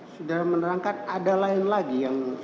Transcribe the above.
saudara menerangkan ada lain lagi yang